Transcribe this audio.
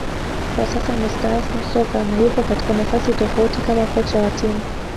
Kwa sasa amestaafu soka na yupo katika nafasi tofauti kama kocha wa timu